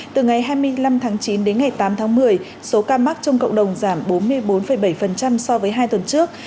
từ ngày hai mươi năm tháng chín đến ngày tám tháng một mươi số ca mắc trong cộng đồng giảm bốn mươi bốn bảy so với hai tuần trước